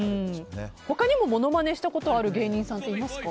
他にもものまねしたことある芸人さんいますか？